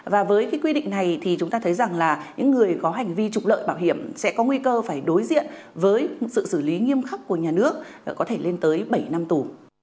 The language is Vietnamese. và với cái quy định này thì chúng ta thấy rằng là những người có hành vi trục lợi bảo hiểm sẽ có nguy cơ phải đối diện với sự xử lý nghiêm khắc của nhà nước có thể lên tới bảy năm tù